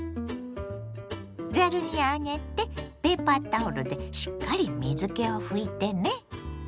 ざるに上げてペーパータオルでしっかり水けを拭いてね。